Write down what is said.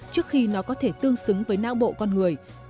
trước khi nó có thể tương xứng với nao bộ con người